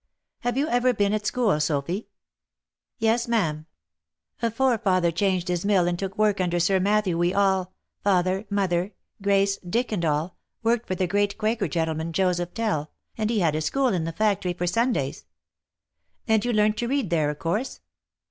" Have you ever been at school, Sophy?" " Yes, ma'am. Afore father changed his mill and took work under Sir Matthew we all — father, mother, Grace, Dick, and all, worked for the great Quaker gentleman, Joseph Tell, and he had a school in the factory for Sundays." " And you learnt to read there of course?"